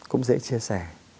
cũng dễ chia sẻ